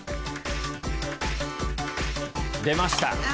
出ました。